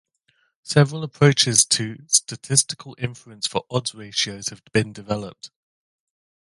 Several approaches to statistical inference for odds ratios have been developed.